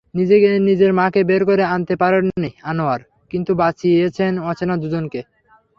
নিজের মাকে বের করে আনতে পারেননি আনোয়ার, কিন্তু বাঁচিয়েছেন অচেনা দুজনকে।